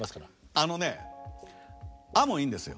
あのね「あ」もいいんですよ。